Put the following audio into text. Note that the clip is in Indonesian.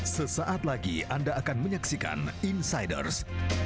sesaat lagi anda akan menyaksikan insiders